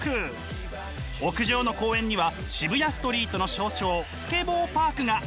屋上の公園には渋谷ストリートの象徴スケボーパークが。